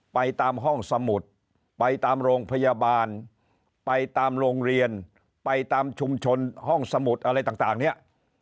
ไปตามห้องสมุดไปตามโรงพยาบาลไปตามโรงเรียนไปตามชุมชนห้องสมุดอะไรต่างเนี่ย